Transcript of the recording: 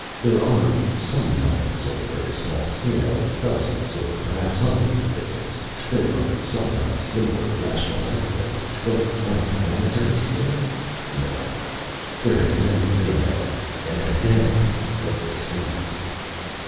"There are ... sometimes ... on a very small scale ... dozens or perhaps hundreds of victims ... there are sometimes similar irrational appetites. But on a planetary scale ... no. There has never been a ... an epidemic of this size."